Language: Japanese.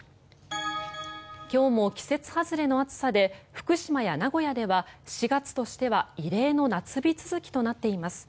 今日も季節外れの暑さで福島や名古屋では４月としては異例の夏日続きとなっています。